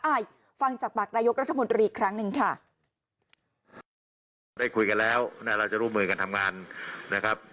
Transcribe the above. อ่ะฟังจากปากนายกรัฐมนตรีอีกครั้งหนึ่งค่ะครับได้คุยกันแล้วนะเราจะร่วมมือกันทำงานนะครับ